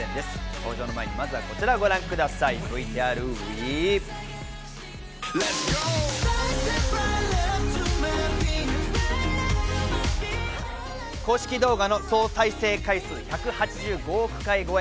登場の前にまずはこちらをご覧ください、ＶＴＲＷＥ！公式動画の総再生回数１８５億回超え。